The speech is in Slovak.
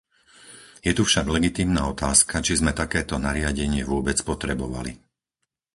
Je tu však legitímna otázka, či sme takéto nariadenie vôbec potrebovali.